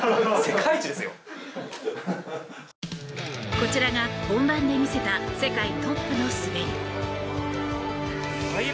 こちらが本番で見せた世界トップの滑り。